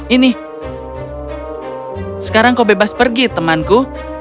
ini sekarang kau bebas pergi temanku